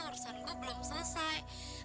urusan gue belum selesai